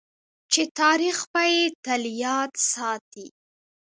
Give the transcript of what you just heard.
چې تاریخ به یې تل یاد ساتي.